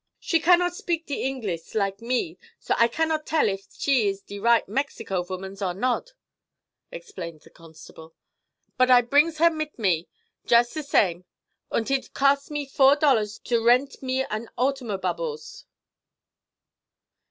"She cannot speak de Ingliss, like me, so I cannod tell if she iss de right Mexico vomans or nod," explained the constable. "Bud I brings her mit me, yust de same, unt id costs me four dollars to rendt me an automobubbles."